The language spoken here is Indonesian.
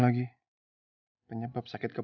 aku mau ikut sama dia